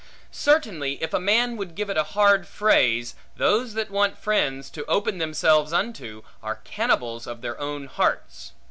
Certainly, if a man would give it a hard phrase, those that want friends, to open themselves unto, are cannibals of their own hearts.